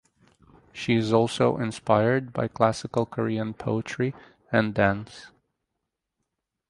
She is also inspired by classical Korean poetry and dance.